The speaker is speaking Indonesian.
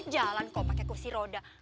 jalan kok pakai kursi roda